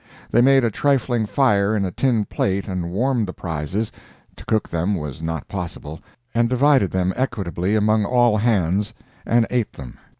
They made a trifling fire in a tin plate and warmed the prizes—to cook them was not possible—and divided them equitably among all hands and ate them.